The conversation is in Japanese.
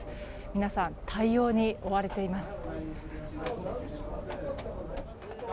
皆さん対応に追われています。